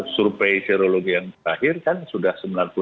survei serologi yang terakhir kan sudah sembilan puluh delapan